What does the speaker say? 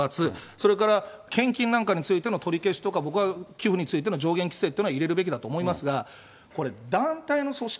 それから献金なんかについての取り消しとか、僕は寄付についての上限規制というのは入れるべきだと思いますが、これ、団体の組織